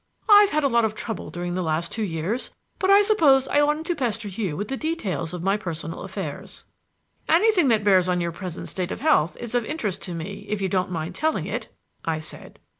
I've had a lot of trouble during the last two years. But I suppose I oughtn't to pester you with the details of my personal affairs." "Anything that bears on your present state of health is of interest to me if you don't mind telling it," I said.